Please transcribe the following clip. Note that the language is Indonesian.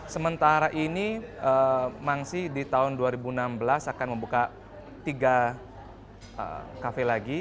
sementara ini mangsi di tahun dua ribu enam belas akan membuka tiga kafe lagi